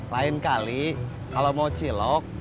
lain kali kalau mau cilok